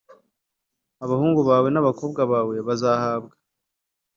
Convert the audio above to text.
Abahungu bawe n abakobwa bawe bazahabwa